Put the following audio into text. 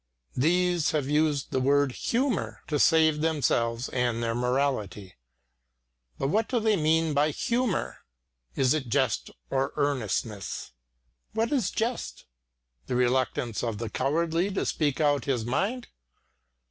These have used the word "humour" to save themselves and their morality. But what do they mean by "humour"? Is it jest or earnest? What is jest? The reluctance of the cowardly to speak out his mind?